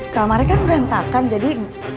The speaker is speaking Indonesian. kamarnya kan berantakan jadi